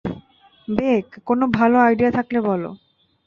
Bake, কোনও ভালো idea থাকলে বলো!